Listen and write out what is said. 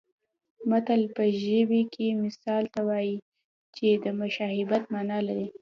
متل په عربي کې مثل ته وایي چې د مشابهت مانا لري